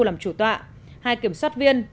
làm chủ tọa hai kiểm soát viên